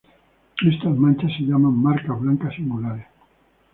Estas manchas se llaman marcas blancas singulares.